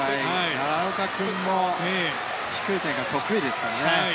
奈良岡君も低い展開が得意ですからね。